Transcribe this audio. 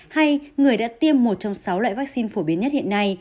hay người đã tiêm một trong sáu loại vaccine phổ biến nhất hiện nay